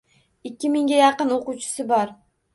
Ikki mingga yaqin o‘quvchisi bor.